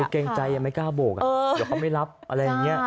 เกรงใจยังไม่กล้าโบกเดี๋ยวเขาไม่รับอะไรอย่างนี้